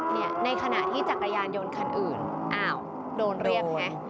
ในขณะที่จักรยานยนต์คันอื่นอ้าวโดนเรียกฮะ